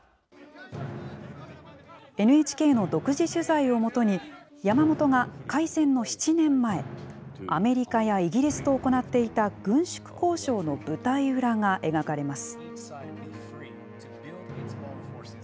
ＮＨＫの独自取材を基に、山本が開戦の７年前、アメリカやイギリスと行っていた軍縮交渉の舞台裏が描かれます。